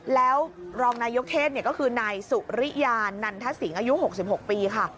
แล้วรองนายกเทศก็คือนายสุริยานันทสิงห์อายุ๖๖ปีค่ะ